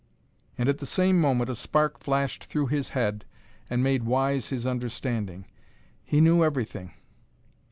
And at the same moment a spark flashed through his head and made wise his understanding. He knew everything.